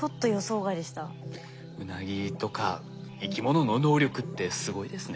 ウナギとか生き物の能力ってすごいですね。